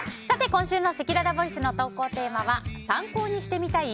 今週のせきららボイスの投稿テーマは参考にしてみたい！？